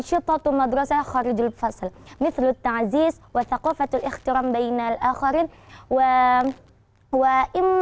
seperti kemampuan dan kehormatan antara orang lain